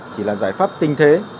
chỉ là giải pháp tinh thế